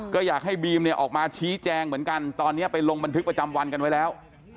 ก็อยากให้บีมเนี่ยออกมาชี้แจงเหมือนกันตอนนี้ไปลงบันทึกประจำวันกันไว้แล้ว